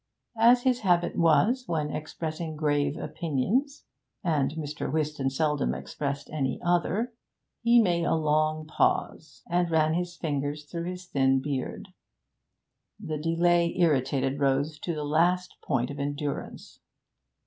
As his habit was when expressing grave opinions (and Mr. Whiston seldom expressed any other), he made a long pause and ran his fingers through his thin beard. The delay irritated Rose to the last point of endurance.